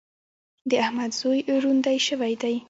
د احمد زوی روندی شوی دی.